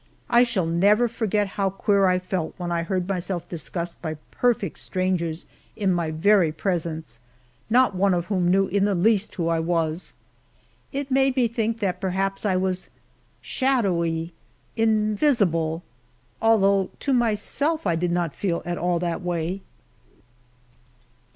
I shall never forget how queer I felt when I heard myself discussed by perfect strangers in my very presence not one of whom knew in the least who I was. It made me think that perhaps I was shadowy invisible although to myself I did not feel at all that way.